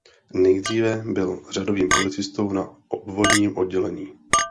Nejdříve byl řadovým policistou na obvodním oddělení.